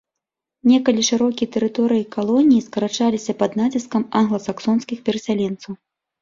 Некалі шырокія тэрыторыі калоніі скарачаліся пад націскам англасаксонскіх перасяленцаў.